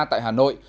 tại hà nội